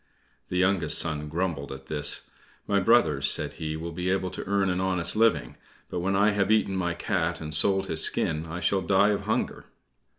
The youngest son grumbled at this. "My brothers," said he, "will be able to earn an honest living; but when I have eaten my cat and sold his skin I shall die of hunger."